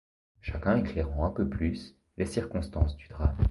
Chacun éclairant un peu plus les circonstances du drame.